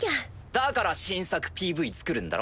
だから新作ＰＶ作るんだろ？